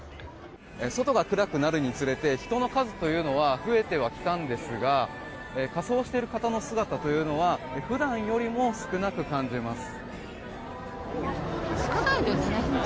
外が暗くなるにつれて人の数は増えてはきたんですが仮装している方の姿は普段よりも少なく感じます。